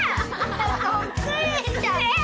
そっくりじゃん！え！？